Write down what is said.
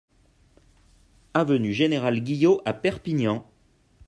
Avenue Général Guillaut à Perpignan